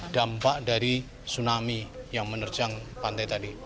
dampak dari tsunami yang menerjang pantai tadi